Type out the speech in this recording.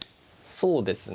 そうですね。